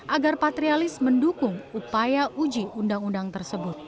agar patrialis mendukung upaya uji undang undang tersebut